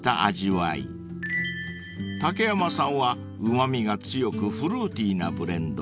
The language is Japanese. ［竹山さんはうま味が強くフルーティーなブレンド］